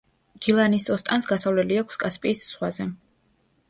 გილანის ოსტანს გასასვლელი აქვს კასპიის ზღვაზე.